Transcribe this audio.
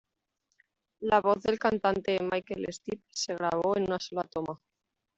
La voz del cantante Michael Stipe se grabó en una sola toma.